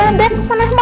tidak seperti kamu